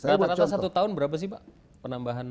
rata rata satu tahun berapa sih pak penambahan